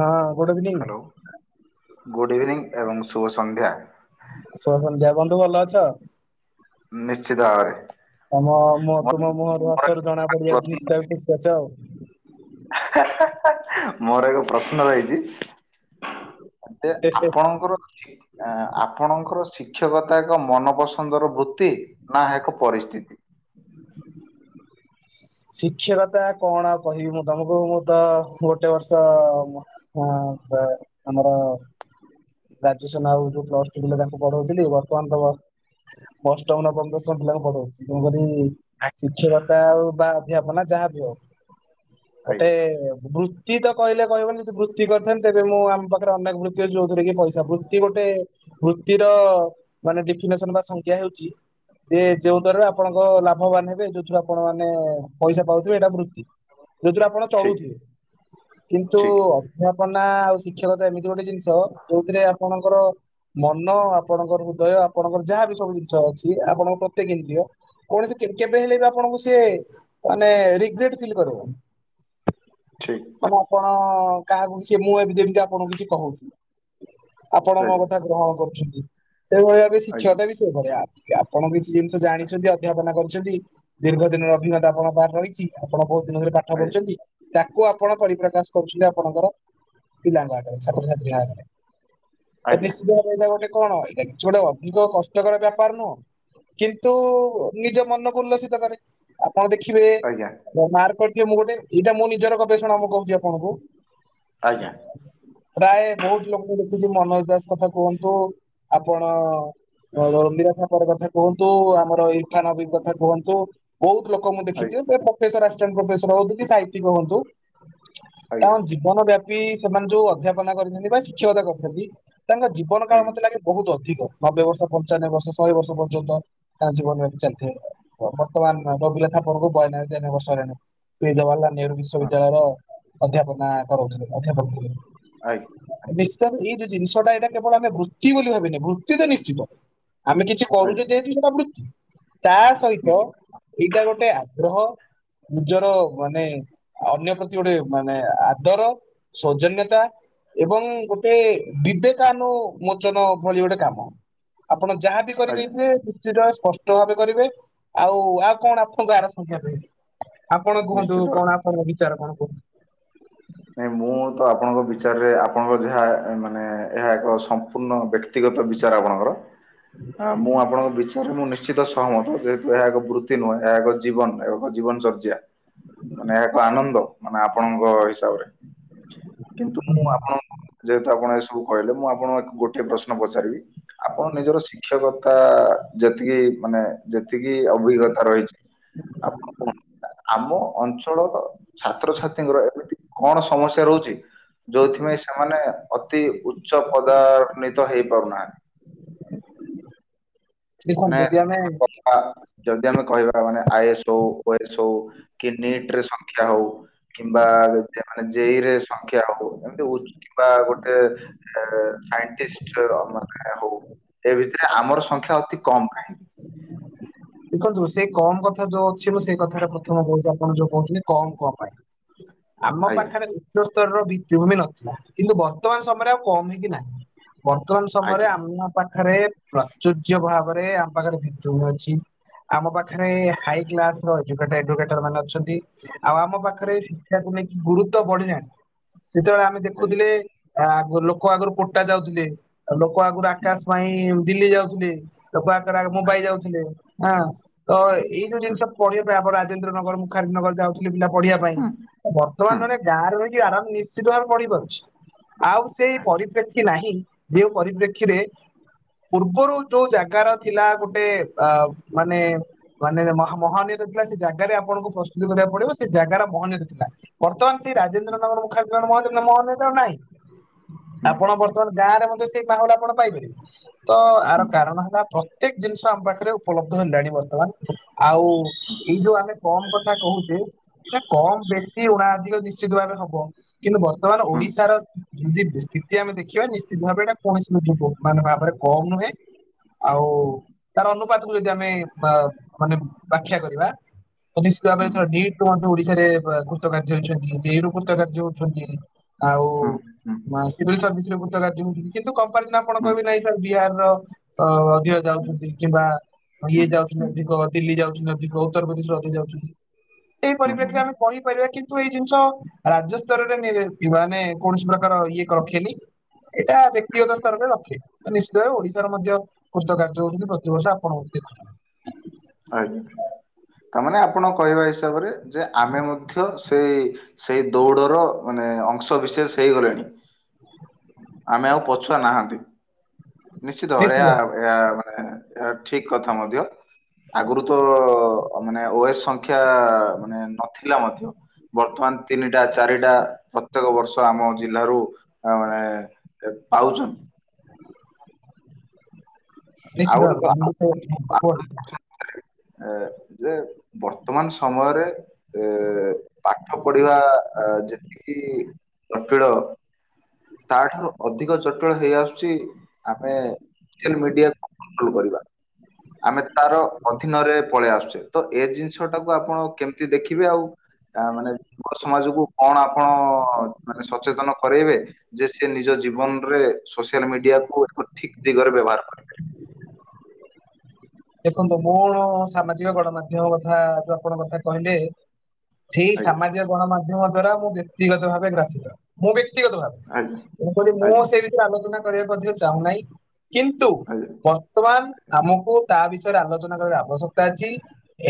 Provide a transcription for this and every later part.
ହଁ ଗୋଟେ evening, hello good evening ଏବଂ ଶୁଭ ସନ୍ଧ୍ୟା, ଶୁଭ ସନ୍ଧ୍ୟା ବନ୍ଧୁ ଭଲ ଅଛ? ନିଶ୍ଚିତ ଭାବରେ। ତମ ମୁହଁ ମୋର ମୋର ତୁମ ମୁହଁରୁ ଏକ ହସରୁ ଜଣା ପଡ଼ିବା ପ୍ରଶ୍ନ ଜିନିଷଟ, କେଚ ଆଉ, [unintelligible] ମୋର ଏକ ପ୍ରଶ୍ନ ରହିଛି, ତେ ହେ ହେ। ଆପଣଙ୍କର, ଆ-ଆ ଆପଣଙ୍କର ଶିକ୍ଷକତା ଏକ ମନପସନ୍ଦର ବୃତ୍ତି? ନା ଏକ ପରିସ୍ଥିତି, ଶିକ୍ଷକତା କଣ କହିବି ମୁଁ ତମକୁ ମୁଁ ତ ଗୋଟେ ବର୍ଷ ଆମ, ହଁ ବା ଆମର, ଗ୍ରାଜୁଏସନ ଆଉ ଯୋଉ ପ୍ଲସ୍ ଟୁଲେ ପିଲା ତାଙ୍କୁ ପଢ଼ଉଥିଲି ବର୍ତ୍ତମାନ ତମ, ଅଷ୍ଟମ ନବ ଦଶମ ପିଲାଙ୍କୁ ପଢଉଛି ତେଣୁକରି ଶିକ୍ଷକତା ଆଉ ବା ଆ ଅଧ୍ୟପ ନା ଯାହା ବି ହଉ ଗୋଟେ ଆଜ୍ଞା [unintelligible] ଚି କହିଲେ କହିବନି ଯଦି ବୃତ୍ତି କରିଥାନ୍ତେ ତେବେ ମୁଁ ଆମ ପାଖରେ ଅନେକ ବୃତ୍ତି ଅଛି ଯୋଉଥିରେ କି ପଇସା ବୃତ୍ତି ଗୋଟେ, ବୃତ୍ତିର ମାନେ ଡଫିନେସନ୍ ବା ସଂଖ୍ୟା ହେଉଛି, ଯେ ଯୋଉ ଦ୍ଵାରାରେ ଆପଣଙ୍କ ଲାଭ ବଳେଇବେ ଯୋ ଛିଳା ଆପଣ ମାନେ ପଇସା ପାଉଥିବେ ଏଇଟା ବୃତ୍ତି ଯୋଉଥିରୁ ଆପଣ, ଠିକ୍ ଚଳୁଥିଲେ କିନ୍ତୁ ଠିକ୍ ଅଧ୍ୟାପନା ଆଉ ଶିକ୍ଷକତା ଏମିତି ଗୋଟେ ଜିନିଷ୍ ତ ଯୋଉଥିରେ ଆପଣଙ୍କର, ମନ ଆପଣଙ୍କର ହୃଦୟ ଆପଣଙ୍କର ଯାହାବି ସବୁ ଜିନିଷ ଅଛି ଆପଣଙ୍କ ପ୍ରତ୍ୟେକ ଜମିତିଅ, କୌଣସି କେ କେବେ ହେଲେ ବା ଆପଣଙ୍କୁ ସିଏ ମାନେ ରିଗ୍ରେଟ୍ ଫିଲ୍ କରିବନି, ଠିକ୍, ମାନେ ଆପଣ କାହାକୁ ବି ସେ ମୁଁ ଏବେ ଯେମିତି ଆପଣଙ୍କୁ କିଛି କହୁ, ଆପଣ ମୋ କଥା ଗ୍ରହଣ କରୁଛନ୍ତି ସେଇଭଳି ବି ଆଜ୍ଞା ଶିକ୍ଷକତା ବି ସେଇଭଳିଆ, ଆପଣ କିଛି ଜିନିଷ ଜାଣିଛନ୍ତି ଅଧ୍ୟାପନା କରୁଛନ୍ତି ଦୀର୍ଘ ଦିନ ଅଭିଜ୍ଞତା ଆପଣଙ୍କ ପାଖହାର ରହିଛି, ଆପଣ ବହୁତ୍ ଦିନ ଧରେ ପାଠ ଆଜ୍ଞା ପଢ଼ୁଛନ୍ତି, ତାକୁ ଆପଣ ପରିପ୍ରକାଶ କରୁଥିଲେ ଆପଣଙ୍କର ପିଲାଙ୍କ ଆଗରେ ଛାତ୍ରଛାତ୍ରୀଙ୍କ ଆଗରେ, ତ ଆଜ୍ଞା ନିଶ୍ଚିତ ଭାବରେ ଏଇଟା ଗୋଟେ କଣ ଏଇଟା କିଛି ଗୋଟେ ଅଧିକ କଷ୍ଟକର ବେପାର ନୁହଁ, କିନ୍ତୁ ନିଜ ମନକୁ ଉଲ୍ଲସିତ କରେ ଆପଣ ଦେଖିବେ, ଆଜ୍ଞା ଦ ମାର୍କ କରିଥିବ ମୁଁ ଗୋଟେ ଏଇଟା ମୁଁ ନିଜର ଗବେଷଣା ମୁଁ କହୁଛି ଆପଣଙ୍କୁ, ଆଜ୍ଞା, ପ୍ରାୟ ବହୁତ୍ ଲୋକଙ୍କୁ ଦେଖୁଛି ମନୋଜ ଦାସ୍ କଥା କୁହନ୍ତୁ ଆପଣ, ର ରଲି ଠାକର କଥା କୁହନ୍ତୁ ଆମର ଇରଫାନ ଅବି କଥା କୁହନ୍ ବହୁତୁ ବହୁତ୍ ଲୋକ ମୁଁ ଦେଖିଛି ପ୍ରଫେସର ଆସିଛନ୍ତି ପ୍ରଫେସର ହବାକୁ ବି ସାଇଣ୍ଟି କି ହୁଅନ୍ତୁ, ତା ଆଜ୍ଞା ଆଜ୍ଞା ଜୀବନ ବ୍ୟାପୀ ସେମାନେ ଯୋଉ ଅଧ୍ୟାପନା କରିଥାଛନ୍ତି ବା ଶିକ୍ଷକତା କରିଛନ୍ତି, ତାଙ୍କ ଆଜ୍ଞା ଜୀବନକାଳ ଆଜ୍ଞା ମତେ ଲାଗେ, ବହୁତୁ ଅଧିକ ନବେ ବର୍ଷ ପଞ୍ଚାନବେ ବର୍ଷ ଶହେ ବର୍ଷ ପର୍ଯ୍ୟନ୍ତ ତାଙ୍କ ଜୀବନ ବ୍ୟାପି ଚାଲିଥାଏ, ବ ବର୍ତମାନ ନବେକର ପର୍ବ କୁ ବାୟା ନବେ ତେୟା ନବେ ବର୍ଷ ହେଲାଣି ଶ୍ରୀ ଜବାହରଲାଲ ନେହେରୁ ହଁ ବିଶ୍ୱବିଦ୍ୟାଳୟର, ଅଧ୍ୟାପନା କରାଉଥିଲେ ଅଧ୍ୟାପକଥିଲେ, ଆଗ୍ ନିଶ୍ଚିତ ଭାବେ ଏ ଯୋଉ ଜିନିଷଟା ଏଇଟା କେବଳ ଆମେ ବୃତ୍ତି ବୋଲି ଭାବି ନେ ବୃତ୍ତି ତ ନିଶ୍ଚିତ। ଆମେ କିଛି ଆଜ୍ଞା କରୁଛେ ଯେହେତୁ ସେଟା ବୃତ୍ତି ତା ସହିତ। ନିଶ୍ଚିତ ଏଇଟା ଗୋଟେ ଆଗ୍ରହ। ନିଜର ମାନେ ଅନ୍ୟ ପ୍ରତି ଗୋଟେ ମାନେ ଆଦର। ସୌଜନ୍ୟତା। ଏବଂ ଗୋଟେ ବିବେକାନୁମୋଚନ ଭଳି ଗୋଟେ କାମ। ଆପଣ ଯାହାବି। କରିବେ ଆଜ୍ଞା ହେ ରୁଚିର ସ୍ପଷ୍ଟ ଭାବେ କରିବେ ଆଉ, ଆଉ କଣ ଆପଣଙ୍କୁ ଆର ସଂଖ୍ୟା କହିବି। ଆପଣ କୁହନ୍ତୁ ନିଶ୍ଚିତ। କଣ ଆପଣଙ୍କ ବିଚାର କଣ କୁହନ୍ତୁ। ନାଇ ମୁଁ ତ ଆପଣଙ୍କ ବିଚାରରେ ଆପଣଙ୍କ ଯାହା ମାନେ ଏହା ଏକ ସମ୍ପୂର୍ଣ୍ଣ ବ୍ୟକ୍ତି। ବ୍ୟତିଗତ ବିଚାର ଆପଣଙ୍କର। ଆ ମୁଁ ଆପଣଙ୍କ ବିଚାରରେ ମୁଁ ନିଶ୍ଚିତ ସହମତ ଯେହେତୁ ଏହା ଏକ ବୃତ୍ତି ନୁହେଁ ଏହା ଏକ। ଜୀବନ ପାଇବ କ ଜୀବନଚର୍ଯ୍ୟା। ମାନେ ଏହା ଏକ ଆନନ୍ଦ ମାନେ ଆପଣଙ୍କ ହିସାବରେ। କିନ୍ତୁ ମୁଁ ଆପଣ ଙ୍କୁ ଯେହେତୁ ଆପଣ ଆଜି ସବୁ କହିଲେ ମୁଁ ଆପଣଙ୍କୁ ଗୋଟିଏ ପ୍ରଶ୍ନ ପଚାରିବି। ଆପଣ ନିଜର ଶିକ୍ଷକତା ଯେତିକି ମାନେ ଯେତିକି ଅଭିଜ୍ଞତା ରହିଛି। ଆପଣ କଣ ଆମ ଅଞ୍ଚଳର ଛାତ୍ରଛାତ୍ରୀଙ୍କର ଏମିତି। କଣ ସମସ୍ୟା ରହୁଛି। ଯୋଉଥିପାଇଁ ସେମାନେ ଅତି ଉଚ୍ଚ ପଦାନିତ ହେଇପାରୁନାହାନ୍ତି। ଦେଖନ୍ତୁ ନାଇଁ ଯଦି ଯାହା ଆମେ କଲେ। ବା ଯଦି ଆମେ କହିବା ମାନେ ଆଇଏସ୍ ହଉ ଓ ଏସ୍ ହଉ କି ନିଟିରେ ସଂଖ୍ୟା ହଉ। କିମ୍ବା ଯଦି ମାନେ ଜେଇରେ ସଂଖ୍ୟା ହଉ ଏମିତି କିମ୍ବା ଗୋଟେ। ଯେ ସାଇଟିଷ୍ଟି ମାନେ ହଉ ଏ ଭିତରେ ଆମର ସଂଖ୍ୟା ଅତି କମ୍ କାହିଁକି। ଦେଖନ୍ତୁ ସେଇ କମ୍ କଥା ଯୋଉ ଅଛି ମୁଁ ସେଇ କଥାରେ ପ୍ରଥମ କୋଉଠି ଆପଣ ଯୋଉ କହୁଥିଲେ କମ୍, କମ୍ ପାଇଁ। ଆମ ଆଜ୍ଞା ପାଖରେ। ଉଚ୍ଚ ସ୍ତରରେ ଭିତ୍ତିଭୂମି ନଥିଲା କିନ୍ତୁ ବର୍ତ୍ତମାନ ସମୟରେ ଆଉ କମ୍ ହେଇକି ନାହିଁ। ବର୍ତ୍ତମାନ ସମୟରେ ଆଜ୍ଞା ଆମ ପାଖରେ। ପ୍ରଚୁଯ୍ୟ ଭାବରେ ଆମ ପାଖରେ ଭିତ୍ତିଭୂମି ଅଛି ଆମ ପାଖରେ ହାଇଟି ମ୍ୟାପ ର ଅଛି। ହେପାଟାଇଟିର ହେକ୍ଟର ମାନେ ଅଛନ୍ତି ଆଉ ଆମ ପାଖରେ। ଆଜ୍ଞା ଶିକ୍ଷା କୁ ନେଇ ଗୁରୁତ୍ୱ ବଢିନାହିଁ ସେତେବେଳେ ଆମେ ଆଜ୍ଞା ଦେଖୁଥିଲେ। ଆ ଲୋକ ଆଗୁରୁ କୋଟା ଯାଉଥିଲେ ଲୋକ ଆଗୁରୁ ହୁଁ ଆକାଶ ପାଇଁ ଦିଲ୍ଲୀ ଯାଉଥିଲେ। ଲୋକ ଆକାର ମୋ ଆଜ୍ଞା ପାଇଯାଉଥିଲେ ଆ ତ ଏଇ ଯୋଉ ହୁଁ ଜିନିଷ ପଢିବା ପାଇଁ ଆମ ରାଜେନ୍ଦ୍ର ନଗର ମୁ। ଖାରନଗର ଯାଉଥିଲେ ପିଲା ପଢିବା ପାଇଁ ହୁଁ ହୁଁ ବର୍ତ୍ତମାନ ରେ। ଗାଁ ରହିଛି ଆରାମେ ନିଶ୍ଚିତ ଭାବରେ ପଢି ପାରୁଛି ଆଉ ସେଇ ଆଜ୍ଞା ପରିପ୍ରେକ୍ଷୀ ନାହିଁ। ଯେଉ ପରିପ୍ରେକ୍ଷୀରେ ପୂର୍ବରୁ ଯୋଉ ଜାଗାର ଥିଲା ଗୋଟେ ଆବ। ମାନେ। ମାନେ ମ ମହାନୀୟ ଥିଲା ସେ ଜାଗାରେ ଆପଣଙ୍କୁ ପ୍ରସ୍ତୁତି କରିବାକୁ ପଡିବ ସେ ଜାଗାର ମହାନୀୟ ତା ଥିଲା। ବର୍ତ୍ତମାନ ସେ ହୁଁ ରାଜେନ୍ଦ୍ରନଗର ମୁଖ୍ୟଦ୍ରୀର ମହାନିୟ ତା ନାହିଁ। ହୁଁ। ଆପଣ ବର୍ତ୍ତମାନେ ଗାଁ ରେ ମଧ୍ୟ ସେଇ ପାଗ ଟା ଆପଣ ପାଇବେ ତ ଆର ଆଜ୍ଞା କାରଣ ହେଲା ପ୍ର ପ୍ରତ୍ୟେକ ଜିନିଷ ଆମ ପାଖରେ ଉପଲବ୍ଧ ହେଲାଣି ବର୍ତ୍ତମାନ ଆଉ ଏଇ ଯୋଉ ଆମେ କମ୍ କଥା। କହୁଛେ ଏ କମ୍ ବେଶୀ ଉଣାଧିକ ନିଶ୍ଚିତ ଭାବେ ହବ। କିନ୍ତୁ ବର୍ତ୍ତମାନ ଓଡିଶାର ଯଦି ସ୍ଥିତି ଆମେ ଦେଖିବା ନିଶ୍ଚିତ ଭାବେ ଏଇଟା କୌଣସି ମୂଲ୍ୟ କୁ। ମାନେ ଭାବରେ କମ୍ ନୁହେଁ। ଆଉ ତାର ଅନୁପାତ କୁ ଯଦି ଆମେ ବା ମାନେ। ବାଖ୍ୟା କରିବା ନିଶ୍ଚିତ ଭାବରେ ନିଟି ର ଓଡିଶାରେ କୃତ କାର୍ଯ୍ୟ ହେଇଛନ୍ତି ଯେଇରୁ। ଗତେ [inaudible] କାର୍ଯ୍ୟ ଜଉ ଅଛନ୍ତି ଆଉ ସରେ [inaudible] ରାଜି ହଉଛନ୍ତି କିନ୍ତୁ କମ୍ପାରିରେ ଆପଣ କହିବେ ନାହିଁସାର୍ ବିହାର ର। ଅ ଅଧିକ ଯାଉଛନ୍ତି କିମ୍ବା ତ ଇଏ ଯାଉଛନ୍ତି ଅଧିକ ଦିଲ୍ଲୀ ଯାଉଛନ୍ତି ଅଧିକ ଉତ୍ତରପ୍ରଦେଶରେ ଅଧିକ ଯାଉଛନ୍ତି। ସେଇ ପରିପ୍ରେକ୍ଷୀରେ ଆମେ କହିପାରିବା କିନ୍ତୁ ଏଇ ଜିନିଷ ରାଜ୍ୟ ସ୍ତରରେ ନି ମାନେ କୌଣସି ପ୍ରକାର ଇଏକ ରଖେନି ଏଇଟା ବ୍ୟକ୍ତିଗତ ସ୍ତରରେ ରଖେ ତ ନିଶ୍ଚିତ ଭାବବେ ଓଡିଶାର ମଧ୍ୟ କୃତ କାର୍ଯ୍ୟ ହଉଛନ୍ତି ପ୍ରତିବର୍ଷ କଣ [inaudible] ଆଜ୍ଞା ତାମାନେ ଆପଣ କହିବା ହିସାବରେ ଯେ ଆମେ ମଧ୍ୟ ସେ ସେଇ ଦୌଡର ମାନେ ଅଂଶ ବିଶେଷ ହେଇଗଲେଣି। ଆମେ ଆଉ ପଛୁଆ ନାହାନ୍ତି। ନିଶ୍ଚିତ ଭାବରେ ଏହା ଭାବେ ଏହା ମାନେ ଏହା ଠିକ କଥା ମଧ୍ୟ ଆଗରୁ ତ ମାନେ ଓଏସ୍ ସଂଖ୍ୟା ମାନେ ନଥିଲା ମଧ୍ୟ। ବର୍ତ୍ତମାନ ତିନିଟା ଚାରିଟା ପ୍ରତ୍ୟେକ ବର୍ଷ ଆମ ଜିଲ୍ଲାରୁ ଅ ମାନେ ପାଉଛ? ନିଶ୍ଚିତ ଆଉରି କ ଭାବେ ମୁଁ ବି ତ କୁହନ୍ତୁ ଏ ଯେ ବର୍ତ୍ତମାନ ସମୟରେ ଏ ପାଠ ପଢିବା ଯେତିକି ଜଟିଳ ତାଠାରୁ ଅଧିକ ଜଟିଳ ହେଇ ଆସୁଛି ଆମେ ସୋସିଆଲ ମିଡିଆକୁ କଣ୍ଟ୍ରୋଲ କରିବା। ଆମେ ତାର ଅଧୀନରେ ପଳେଇ ଆସୁଛେ ତ ଏ ଜିନିଷ ଟାକୁ ଆପଣ କେମିତି ଦେଖିବେ ଆଉ ଆ ମାନେ ଯୁବ ସମାଜକୁ କଣ ଆପଣ ମାନେ ସଚେତନ କରେଇବେ। ଯେ ସେ ନିଜ ଜୀବନରେ ସୋସିଆଲ ମିଡିଆକୁ ଏକ ଠିକ ଦିଗରେ ବ୍ୟବହାର କରେ। ଦେଖନ୍ତୁ ମୁଁ ସାମାଜିକ ଗଣମାଧ୍ୟମ କଥା ଯୋଉ ଆପଣ କଥା କହିଲେ ସେଇ ଆଜ୍ଞା ସାମାଜିକ ଗଣମାଧ୍ୟମ ଦ୍ଵାରା ମୁଁ ବ୍ୟକ୍ତିଗତ ଭାବେ ଗ୍ରାସିତ ମୁଁ ବ୍ୟକ୍ତିଗତ ଭାବେ ଆଜ୍ଞା ମୁଁ କହିଲି ମୁଁ ଆଜ୍ଞା ସେ ବିଷୟ ଆଲୋଚନା କରିବାକୁ ମଧ୍ୟ ଚାହୁଁନାହିଁ। କିନ୍ତୁ ଆଜ୍ଞା ବର୍ତ୍ତମାନ ଆମକୁ ତା ବିଷୟରେ ଆଲୋଚନା କରିବା ଆବଶ୍ୟକତା ଅଛି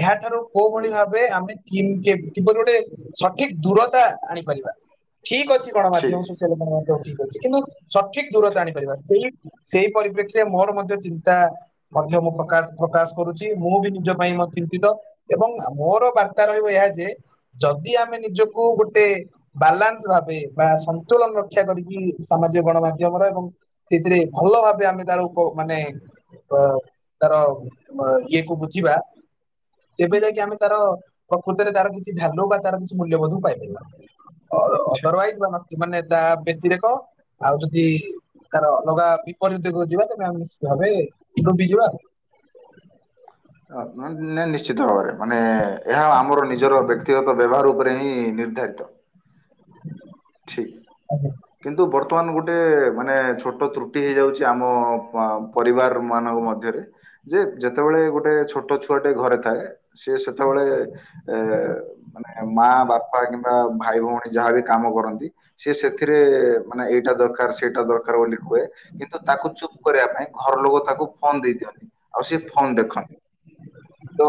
ଏହାଠାରୁ କୋଉଭଳି ଆଜ୍ଞା ଭାବେ ଆମେ କିପରି ଗୋଟେ ସଠିକ ଦୂରତା ଆଣିପାରିବା ଠିକ ଅଛି ଠିକ। ଗଣମାଧ୍ୟମ ସ ସେ ଲୋକ ମଧ୍ୟ ଠିକ୍ ଅଛି କିନ୍ତୁ ସଠିକ ଦୂରତା ଆଣିପାରିବ ସେଇ ସେଇ ପରିପ୍ରେକ୍ଷୀରେ ମୋର ମଧ୍ୟ ଚିନ୍ତା ମଧ୍ୟ ମୁଁ ପ୍ରକାଶ କରୁଛି ମୁଁ ବି ନିଜ ପାଇଁ ମତ ଚିନ୍ତିତ ଏବଂ ମୋର ବାର୍ତ୍ତା ରହିବ ଏଇଆ ଯେ ଯଦି ଆମେ ନିଜକୁ ଗୋଟେ ବାଲାନ୍ସ ଭାବେ ବା ସନ୍ତୁଳନ ରକ୍ଷା କରିକି ସାମାଜିକ ଗଣମାଧ୍ୟମରେ ଏବଂ ସେଥିରେ ଭଲ ଭାବେ ଆମେ ତାର ଉପ ମାନେ ଅ ତାର ଇଏକୁ ବୁଝିବା ତେବେ ଯାଇକି ଆମେ ତାର ପ୍ରକୃତରେ ତାର କିଛି ଭାଲ୍ୟୁ ବା ତାର କିଛି ମୂଲ୍ୟ ମଧ୍ୟ ପାଇପାରିବା। ଠିକ। ଅଦରୱାଇଜି ବା ସେମାନେ ତା ବ୍ୟତିରେକ ଆଉ ଯଦି ତାର ଅଲଗା ବିପରିତ ଦିଗକୁ ଯିବା ତେବେ ଆମେ ନିଶ୍ଟିତ ଭାବେ ଡୁବି ଯିବା। [inaudible] ମାନେ ନିଶ୍ଚିତ ଭାବରେ ମାନେ ଏହା ଆମର ନିଜର ବ୍ୟକ୍ତି ବ୍ୟତିଗତ ବ୍ୟବହାର ଉପରେ ହିଁ ନିର୍ଧାରିତ। ଠିକ୍। ଆଜ୍ଞା। କିନ୍ତୁ ବର୍ତ୍ତମାନ ଗୋଟେ ମାନେ ଛୋଟ ତ୍ରୁଟି ହେଇଯାଉଛି ଆମ ପରିବାର ମାନଙ୍କ ମଧ୍ୟରେ ଯେ ଯେତେବେଳେ ଗୋଟେ ଛୋଟ ଛୁଆଟେ ଘରେ ଥାଏ ସିଏ ସେତେବେଳେ ଏ ମାନେ ମା ବାପା କିମ୍ବା ଭାଇ ଭଉଣୀ ଯାହାବି କାମ କରନ୍ତି ସିଏ ସେଥିରେ ମାନେ ଏଇଟା ଦରକାର ସେଇଟା ଦରକାର ବୋଲି କୁହେ କିନ୍ତୁ ତାକୁ ଚୁପ୍ କରିବା ପାଇଁ ଘର ଲୋକ ତାକୁ ଫୋନ ଦେଇ ଦିଅନ୍ତି ଆଉ ସେ ଫୋନ ଦେଖନ୍ତି ତ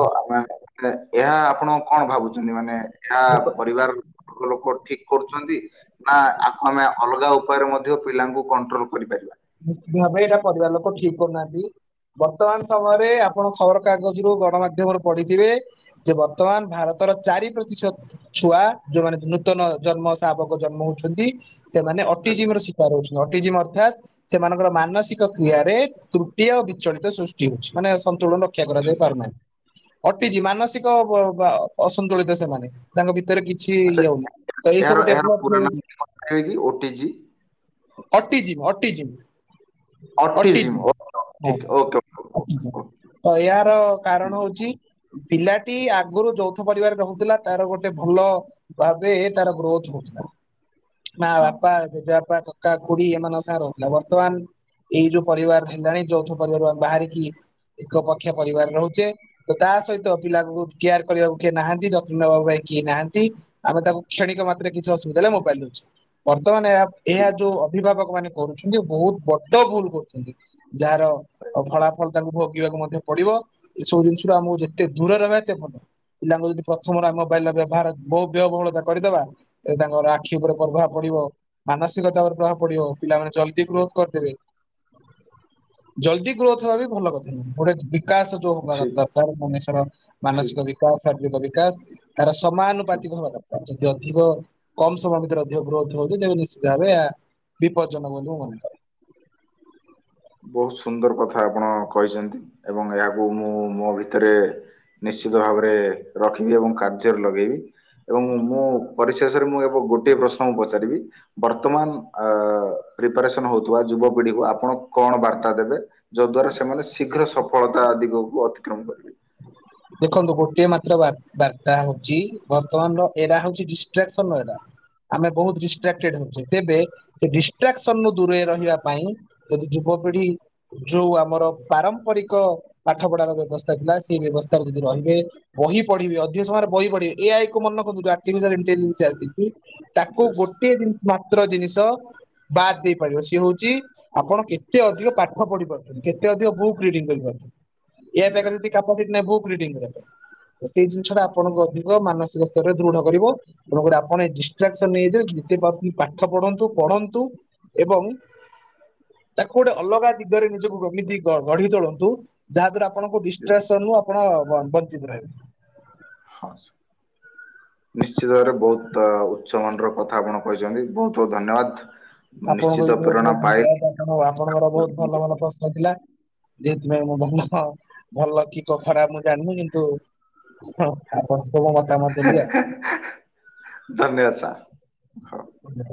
ଏହା ଆପଣ କଣ ଭାବୁଛନ୍ତି ମାନେ ଏହା ଏକ- ପରିବାର ଲୋକ ଠିକ୍ କରୁଛନ୍ତି ନା ଆକୁ ଆମେ ଅଲଗା ଉପାୟରେ ମଧ୍ୟ ପିଲାଙ୍କୁ କଣ୍ଟ୍ରୋଲ କରିପାରିବା ନିଶ୍ଚିତ ଭାବେ ଏଇଟା ପରିବାର ଲୋକ ଠିକ୍ କରୁନାହାନ୍ତି ବର୍ତ୍ତମାନ ସମୟରେ ଆପଣ ଖବର କାଗଜ ରୁ ଗଣମାଧ୍ୟମରେ ପଢିଥିବେ ଯେ ବର୍ତ୍ତମାନ ଭାରତର ଚାରି ପ୍ରତିଶତ ଛୁଆ ଯୋଉମାନେ ନୂତନ ଜନ୍ମ ଶାବକ ଜନ୍ମ ହଉଛନ୍ତି ସେମାନେ ଆଜ୍ଞା ଅଟିଜିମ୍ ର ଶିକାର ହଉଛନ୍ତି ଅଟିଜିମ୍ ଅର୍ଥାତ୍ ସେମାନଙ୍କର ମାନସିକ କ୍ରିୟାରେ ତୃଟି ଓ ବିଚଳିତ ସୃଷ୍ଟି ହଉଛି ମାନେ ସନ୍ତୁଳନ ରକ୍ଷା ଠିକ କରାଯାଇ ପାରୁନାହିଁ ଅଟିଜି ମାନସିକ ଅସନ୍ତୁଳିତ ସେମାନେ ତାଙ୍କ ଭିତରେ କିଛି ଇ ଆଚ୍ଛା ହଉନି ତ ଏଇ ଏହାର ସବୁ ଏହାର ପୁରା ଡେଭଲପଉ ନାମ ଟିକେ କହିପାରିବେ କି ଓଟିଜି? ଅଟିଯିବ୍ ଅଟିଯିବ୍ ଅଟିଜିମ୍ ଓକେ, ଅଟିଯିବ୍ ଠିକ ହଁ ଓକେ ଓକେ ଆ ଓକେ ଓକେ, ତ ଏହାର ଓକେ। କାରଣ ହଉଛି ପିଲାଟି ଆଗରୁ ଯୌଥ ପରିବାର ରହୁଥିଲା ତାର ଗୋଟେ ଭଲ ଭାବେ ଏ ତାର ଗ୍ରୋଥ ହଉଥିଲା ମା ହଁ ବାପା ଜେଜେ ବାପା କକା ଖୁଡି ଏମାନଙ୍କ ସାଙ୍ଗେ ରହୁଥିଲା ବ ବର୍ତ୍ତମାନ ଏଇ ଯୋଉ ପରିବାର ହେଲାଣି ଯୌଥ ପରିବାର ବାହାରିକି ଏକ ପକ୍ଷ ପରିବାର ରହୁଛେ ତ ତା ସହିତ ପିଲାକୁ କେୟାର କରିବାକୁ କିଏ ନାହାନ୍ତି ଯତ୍ନ ନବା ପାଇଁ କିଏ ନାହାନ୍ତି ଆମେ ତାକୁ କ୍ଷଣିକ ମାତ୍ରରେ କିଛି ଅସୁବିଧା ହେଲେ ମୋବାଇଲ ଦଉଛୁ ବର୍ତ୍ତମାନ ଏହା ଏହା ଠିକ ଯୋଉ ଅଭିଭାବକ ମାନେ କରୁଛନ୍ତି ବହୁତ ବଡ ଭୁଲ କରୁଛନ୍ତି ଯାହାର ଫଳାଫଳ ତାଙ୍କୁ ଭୋଗିବାକୁ ମଧ୍ୟ ପଡିବ ଏ ସବୁ ଜିନିଷ ରୃ ଆମକୁ ଯେତେ ଦୂରେ ରହିବା ଏତେ ଭଲ ପିଲାଙ୍କୁ ଯଦି ପ୍ରଥମର ମୋବାଇଲ ବ୍ୟବହାର ବହୁ ବ୍ୟୟବହୁଳତା କରିଦବା ତାଙ୍କର ଆଖି ଉପରେ ପ୍ରଭାବ ପଡିବ ମାନସିକତା ଉପରେ ପ୍ରଭାବ ପଡିବ ପିଲାମାନେ ଚ ଗ୍ରୋଥ କରିଦେବେ ଜଲ୍ଦି ଗ୍ରୋଥ୍ ହେବା ବି ଭଲ କଥା ନୁହଁ ଗୋଟେ ବିକାଶ ଯୋଉ ହବା ଠିକ ଦରକାର ମଣିଷର ଠିକ ମାନସିକ ଠିକ। ବିକାଶ ଶାରୀରିକ ବିକାଶ ତାର ସମାନୁପାତିକ ହବା ଦରକାର୍ ଆଉ ଯଦି ଅଧିକ କମ୍ ସମୟ ଭିତରେ ଅଧିକ ଗ୍ରୋଥ ହଉଛି ତେବେ ନିଶ୍ଚିତ ଭାବେ ଏହା ବିପଦଜନକ ବୋଲି ମନେ ହୁଏ ବହୁତ ସୁନ୍ଦର କଥା ଆପଣ କହିଛନ୍ତି ଏବଂ ଏହାକୁ ମୁଁ ମୋ ଭିତରେ ନିଶ୍ଚିତ ଭାବରେ ରଖିବି ଏବଂ କାର୍ଯ୍ୟରେ ଲଗେଇବି ଏବଂ ମୁଁ ପରିଶେଷରେ ମୁଁ ଏବେ ଗୋଟିଏ ପ୍ରଶ୍ନକୁ ପଚାରିବି ବର୍ତ୍ତମାନ ଆ ପ୍ରିପାରେସନ ହଉଥିବା ଯୁବପିଢିକୁ ଆପଣ କଣ ବାର୍ତ୍ତା ଦେବେ ଯୋ ଦ୍ଵାରା ସେମାନେ ଶୀଘ୍ର ସଫଳତା ଦିଗକୁ ଅତିକ୍ରମ କରିବେ ଦେଖନ୍ତୁ ଗୋଟିଏ ମାତ୍ର ବା ବାର୍ତ୍ତା ହଉଛି ବର୍ତ୍ତମାନର ଏରା ହଉଛି ଡିଷ୍ଟ୍ରାକ୍ସନ ର ଏ [inaudible] ଆମେ ବହୁତ ଡିଷ୍ଟ୍ରାକ୍ଟେଡ ହଉଛେ ତେବେ ସେ ଡିଷ୍ଟ୍ରାକ୍ସନ ରୁ ଦୂରେଇ ରହିବା ପାଇଁ ଯଦି ଯୁବପିଢି ଯୋଉ ଆମର ପାରମ୍ପରିକ ପାଠ ପଢାର ବ୍ୟବସ୍ଥା ଥିଲା ସେଇ ବ୍ୟବସ୍ଥାରେ ଯଦି ରହିବେ ବହି ପଢିବେ ଅଧିକ ସମୟରେ ବହି ପଢିବ ଏଇ ଆଇକୁ ମନେ ରଖୁ ଆରଟିଫିସିଏଲ୍ ଇନ୍‌ଟେଲିଯେନ୍ସ ଆସିଚି ତାକୁ ୟେସ୍ ଗୋଟିଏ ମାତ୍ର ଜିନିଷ ବାଦ୍ ଦେଇ ପାରିବ ସିଏ ହଉଛି ଆପଣ କେତେ ଅଧିକ ପାଠପଢ଼ି ପାରୁଛନ୍ତି କେତେ ଅଧିକ ବୁକ୍ ରିଡିଙ୍ଗ କରିପାରୁଛନ୍ତି? ଏୟା କରିବା ୟେସ୍ ଯଦି କାମ କିଛି ନାହିଁ ବୁକ୍ ରିଡ଼ିଂ କରିବା ସେଇ ଜିନିଷଟା ହଁ ଆପଣଙ୍କ ଅଧିକ ମାନସିକ ତେବେ ଦୃଢ କରିବ ତେଣୁ ଗୋଟେ ଆପଣ ଏ ଡିଷ୍ଟ୍ରାକ୍ସନ ନେଇଯାଆନ୍ତୁ ଯେତେ ପାଠ ପଢନ୍ତୁ ପଢନ୍ତୁ ଏବଂ ତାକୁ ଗୋଟେ ଅଲଗା ଦିଗରେ ନିଜକୁ ଏମିତି ଗଢି ତୋଳନ୍ତୁ ଯାହା ଦ୍ରାରା ଆପଣଙ୍କୁ ୟେସ୍ ଡିଷ୍ଟ୍ରେସନ ଆପଣ ବ ବଞ୍ଚିତ ରହିବେ। ହଉସ୍ ନିଶ୍ଚିତ ଭାବରେ ବହୁତ ଉଚ୍ଚ ମନର କଥା ଆପଣ କହିଛନ୍ତି ବହୁତ ବହୁତ ଧନ୍ୟବାଦ। ଁ ଆପଣଙ୍କୁ ବି ବହୁତ ବହୁତ ଧନ୍ୟବାଦ ଆପ ଆପଣଙ୍କର ବହୁତ ଭଲ ଭଲ ପ୍ରଶ୍ନ ଥିଲା। ଯେଥିପାଇଁ ମୁଁ ଭଲ ଭଲ କି କ ଖରାପ ମୁଁ ଜାଣିନି କିନ୍ତୁ ହଁ ଆପଣ ସବୁ ମତେ ହେଁ-ହେଁ-ହେଁ-ହେଁ ଧନ୍ୟବାଦ ସାର୍। ଆଉ।